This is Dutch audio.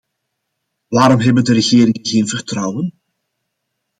Waarom hebben de regeringen geen vertrouwen?